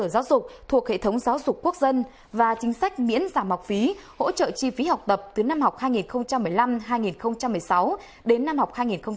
giáo dục thuộc hệ thống giáo dục quốc dân và chính sách miễn giảm học phí hỗ trợ chi phí học tập từ năm học hai nghìn một mươi năm hai nghìn một mươi sáu đến năm học hai nghìn hai mươi hai nghìn hai mươi